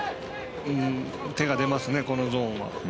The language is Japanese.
手が出ますね、このゾーン。